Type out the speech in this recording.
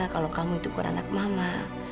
kalau kamu itu bukan anak mama